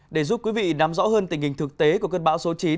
để giúp quý vị nắm rõ hơn tình hình thực tế của cơn bão số chín